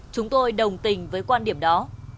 chúng tôi đồng tình với quan điểm đó